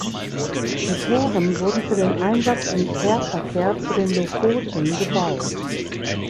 Die Fähren wurden für den Einsatz im Fährverkehr zu den Lofoten gebaut.